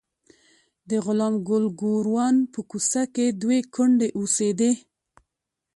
د غلام ګل ګوروان په کوڅه کې دوې کونډې اوسېدې.